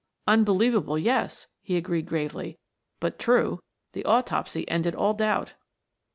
"Unbelievable, yes," he agreed gravely. "But true; the autopsy ended all doubt."